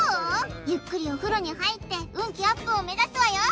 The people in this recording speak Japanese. ゆっくりお風呂に入って運気アップを目指すわよ